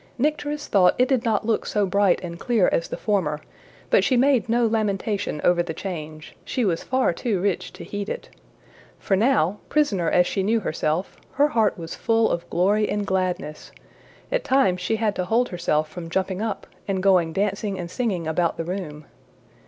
Nycteris thought it did not look so bright and clear as the former, but she made no lamentation over the change; she was far too rich to heed it. For now, prisoner as she knew herself, her heart was full of glory and gladness; at times she had to hold herself from jumping up, and going dancing and singing about the room.